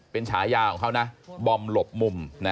เป็นฉายาของเขานะบอมหลบมุม